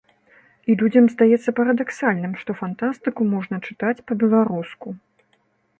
І людзям здаецца парадаксальным, што фантастыку можна чытаць па-беларуску.